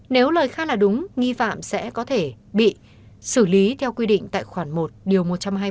nếu lời khai là đúng nghi phạm sẽ có thể bị xử lý theo quy định tại khoản một điều một trăm hai mươi bảy